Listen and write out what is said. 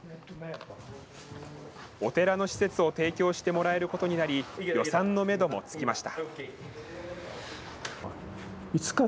お寺の施設を提供してもらえることになり、予算のメドもつきました。